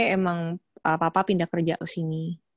emang papa pindah kerja kesini